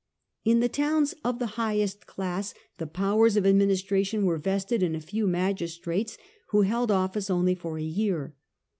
In the towns of the highest class the powers of ad ministration were vested in a few magistrates, who held office only for a year.